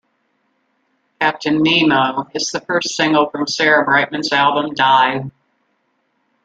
"Captain Nemo" is the first single from Sarah Brightman's album, "Dive".